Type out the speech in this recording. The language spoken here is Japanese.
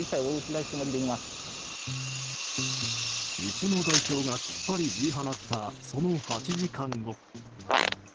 店の代表がきっぱり言い放ったその８時間後。